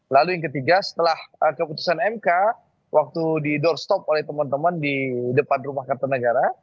lalu yang ketiga setelah keputusan mk waktu di doorstop oleh teman teman di depan rumah kartanegara